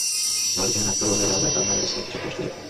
মহিলাটি যেখানে থাকত বলে জানা যায় তার ধারে কাছে একটি ছোট্ট বসতি ছিল।